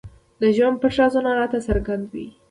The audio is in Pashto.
د ژوند پټ رازونه راته څرګندوي.